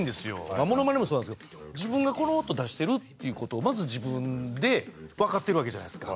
モノマネもそうなんですけど自分がこの音を出してるっていうことをまず自分で分かってるわけじゃないですか。